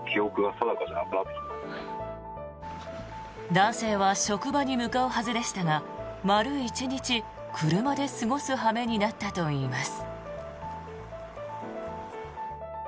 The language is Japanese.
男性は職場に向かうはずでしたが丸１日、車で過ごす羽目になったといいます。